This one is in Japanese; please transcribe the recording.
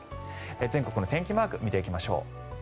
全国の天気マークを見ていきます。